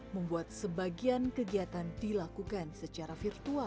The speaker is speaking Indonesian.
membuat sebagian kegiatan dilakukan secara virtual